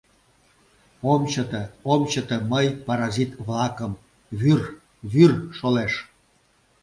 Ом чыте... ом чыте, мый паразит-влакым... вӱр... вӱр шолеш...